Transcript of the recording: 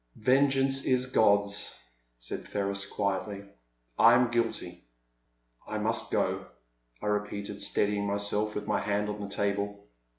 Vengeance is God's," said Ferris, quietly: '* I am guilty." I must go," I repeated, steadying myself with my hand on the table.